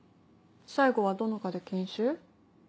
最後はどの科で研修？